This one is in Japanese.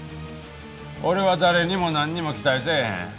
俺は誰にもなんにも期待せえへん。